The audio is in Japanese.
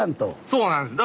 そうなんです。